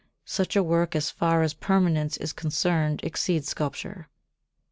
Such a work as far as permanence is concerned exceeds sculpture.